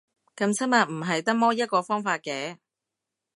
噉親密唔係得摸一個方法嘅